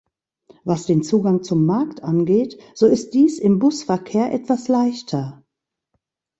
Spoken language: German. Was den Zugang zum Markt angeht, so ist dies im Busverkehr etwas leichter.